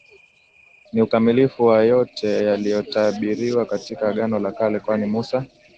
ni ukamilifu wa yote yaliyotabiriwa katika Agano la Kale Kwani Musa